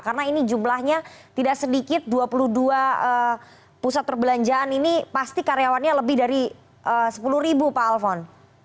karena ini jumlahnya tidak sedikit dua puluh dua pusat perbelanjaan ini pasti karyawannya lebih dari sepuluh ribu pak alfon